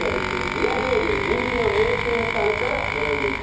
ニラ料理を人気の名店さんから学んでいきたいと思います。